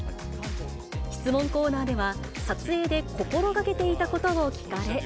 質問コーナーでは撮影で心がけていたことを聞かれ。